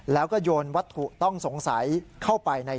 แล้วก็โยนวัตถุต้องสงสัยเข้าไปใน